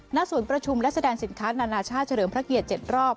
ณศูนย์ประชุมและแสดงสินค้านานาชาติเฉลิมพระเกียรติ๗รอบ